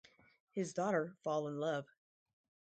His daughter fall in love.